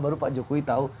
baru pak jokowi tahu